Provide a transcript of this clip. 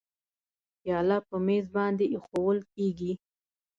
پیاله په میز باندې اېښوول کېږي.